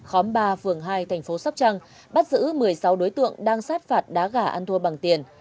khóm ba phường hai thành phố sóc trăng bắt giữ một mươi sáu đối tượng đang sát phạt đá gà ăn thua bằng tiền